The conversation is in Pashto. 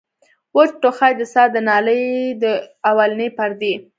وچ ټوخی د ساه د نالۍ د اولنۍ پردې